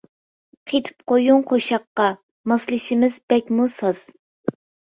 قېتىپ قويۇڭ قوشاققا، ماسلىشىمىز بەكمۇ ساز.